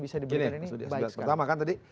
bisa diberikan ini baik sekali